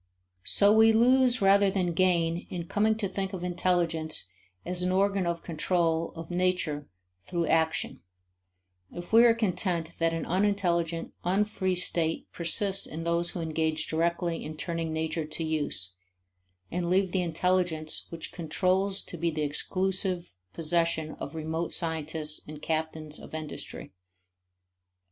So we lose rather than gain in coming to think of intelligence as an organ of control of nature through action, if we are content that an unintelligent, unfree state persists in those who engage directly in turning nature to use, and leave the intelligence which controls to be the exclusive possession of remote scientists and captains of industry.